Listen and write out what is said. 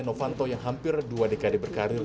novanto yang hampir dua dekade berkarir